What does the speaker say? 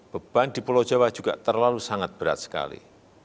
beban di pulau jawa juga terlalu sangat berat sekali